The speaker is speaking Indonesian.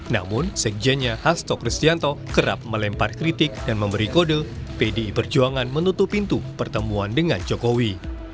namun sekjennya hasto kristianto kerap melempar kritik dan memberi kode pdi perjuangan menutup pintu pertemuan dengan jokowi